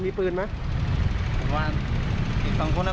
มันเจอจริงเนอะ